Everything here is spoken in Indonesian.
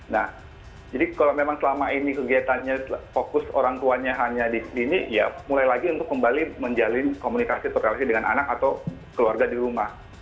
nah jadi kalau memang selama ini kegiatannya fokus orang tuanya hanya di sini ya mulai lagi untuk kembali menjalin komunikasi dengan anak atau keluarga di rumah